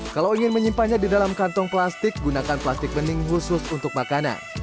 kalau ingin menyimpannya di dalam kantong plastik gunakan plastik bening khusus untuk makanan